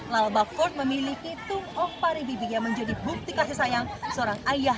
lalabak fort memiliki tungok paribibi yang menjadi bukti kasih sayang seorang ayah